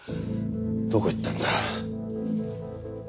どこ行ったんだ。